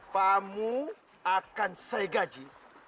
pakmu akan saya gaji